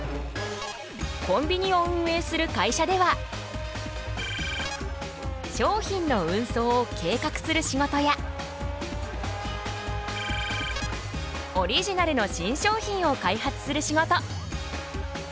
コンビニを運営する会社では商品の運送を計画する仕事やオリジナルの新商品を開発する仕事。